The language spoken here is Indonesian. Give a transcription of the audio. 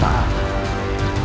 segala puji bagi allah swt